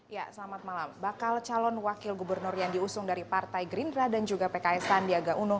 ya selamat malam bakal calon wakil gubernur yang diusung dari partai gerindra dan juga pks sandiaga uno